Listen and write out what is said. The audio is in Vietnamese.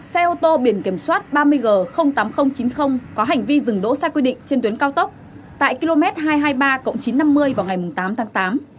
xe ô tô biển kiểm soát ba mươi g tám nghìn chín mươi có hành vi dừng đỗ sai quy định trên tuyến cao tốc tại km hai trăm hai mươi ba chín trăm năm mươi vào ngày tám tháng tám